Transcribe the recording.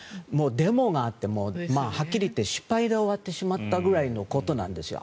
デモがあって、はっきり言って失敗で終わってしまったぐらいのことなんですよ。